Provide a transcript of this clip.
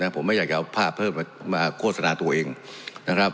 ผมไม่อยากจะเอาภาพเพิ่มมาโฆษณาตัวเองนะครับ